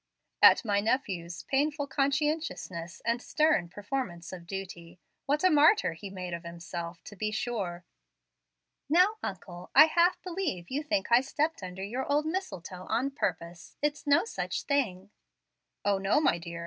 "At my nephew's painful conscientiousness and stern performance of duty. What a martyr he made of himself, to be sure!" "Now, uncle, I half believe you think I stepped under your old mistletoe on purpose. It's no such thing." "O, no, my dear.